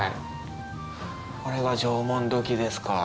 これが縄文土器ですか。